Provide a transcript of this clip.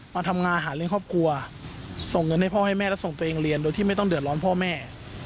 มาทำงานหาเลี้ยงครอบครัวส่งเงินให้พ่อให้แม่และส่งตัวเองเรียนโดยที่ไม่ต้องเดือดร้อนพ่อแม่